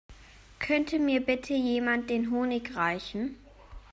Könnte mir bitte jemand den Honig reichen?